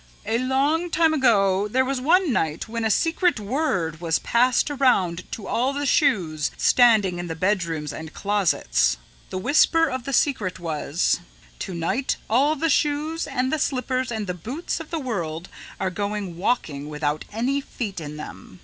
"A long time ago there was one night when a secret word was passed around to all the shoes standing in the bedrooms and closets. "The whisper of the secret was: 'To night all the shoes and the slippers and the boots of the world are going walking without any feet in them.